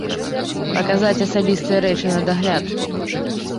Паказаць асабістыя рэчы на дагляд.